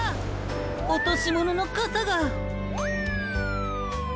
おとしもののかさが。